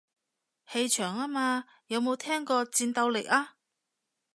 氣場吖嘛，有冇聽過戰鬥力啊